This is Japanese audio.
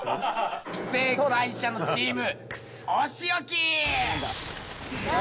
不正解者のチームお仕置き！